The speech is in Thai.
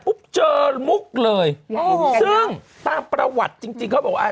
บุ๊บเจอทั้งโมกเลยซึ่งตามประวัติจริงเขาบอกว่า